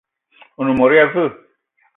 One mot ya veu?